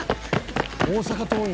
「大阪桐蔭